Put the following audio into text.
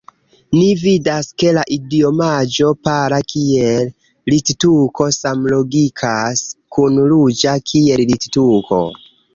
Ni vidas, ke la idiomaĵo pala kiel littuko samlogikas kun ruĝa kiel littuko.